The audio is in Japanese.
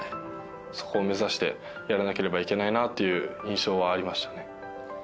そこを目指してやらなければいけないなっていう印象はありましたね。